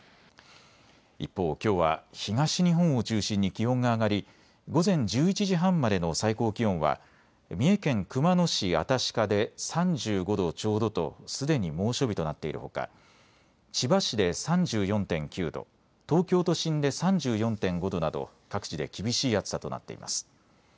一方、きょうは東日本を中心に気温が上がり午前１１時半までの最高気温は三重県熊野市新鹿で３５度ちょうどとすでに猛暑日となっているほか千葉市で３４．９度、東京都心で３４．５度など各地で厳しい暑さとなっています。